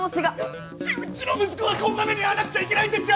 なんでうちの息子がこんな目に遭わなくちゃいけないんですか！？